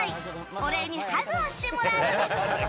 お礼にハグをしてもらう。